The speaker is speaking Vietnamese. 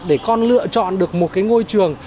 để con lựa chọn được một ngôi trường